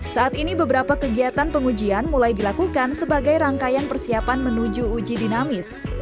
saat ini beberapa kegiatan pengujian mulai dilakukan sebagai rangkaian persiapan menuju uji dinamis